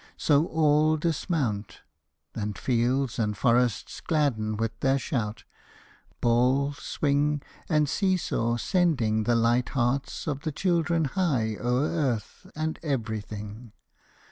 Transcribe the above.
So all dismount, And fields and forest gladden with their shout; Ball, swing, and see saw sending the light hearts Of the children high o'er earth and everything.